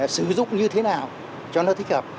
sử dụng như thế nào cho nó thích hợp